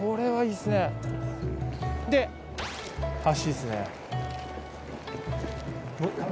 で箸ですね。